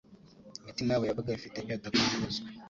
imitima yabo yabaga ifite inyota kandi inyuzwe,